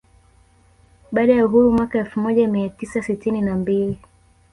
Baada ya uhuru mwaka elfu moja mia tisa sitini na mbili